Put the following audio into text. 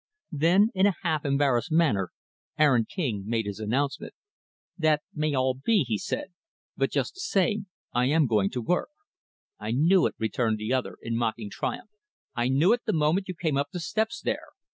Then, in a half embarrassed manner, Aaron King made his announcement. "That may all be," he said, "but just the same, I am going to work." "I knew it" returned the other, in mocking triumph "I knew it the moment you came up the steps there.